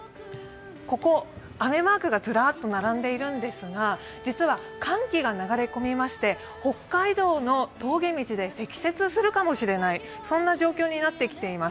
ここ雨マークがずらっと並んでいるんですが、実は寒気が流れ込みまして北海道の峠道で積雪するかもしれない、そんな状況になってきています。